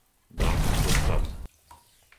Да, до сад.